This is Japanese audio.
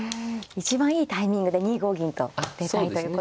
一番いいタイミングで２五銀と出たいということですよね。